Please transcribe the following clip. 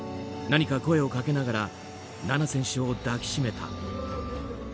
何か声をかけながら菜那選手を抱きしめた。